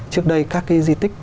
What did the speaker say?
trước đây các cái di tích